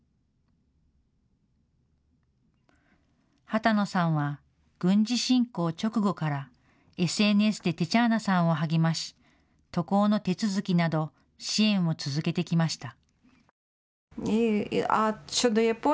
波多野さんは軍事侵攻直後からＳＮＳでテチャーナさんを励まし渡航の手続きなど支援を続けてきました。